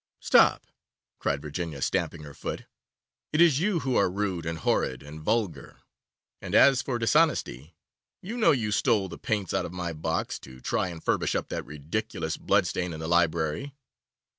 'Stop!' cried Virginia, stamping her foot, 'it is you who are rude, and horrid, and vulgar, and as for dishonesty, you know you stole the paints out of my box to try and furbish up that ridiculous blood stain in the library.